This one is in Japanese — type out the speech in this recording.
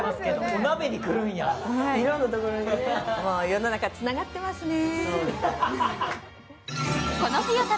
世の中、つながってますね